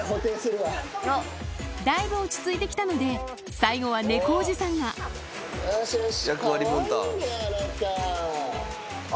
だいぶ落ち着いてきたので最後は猫おじさんがよしよし。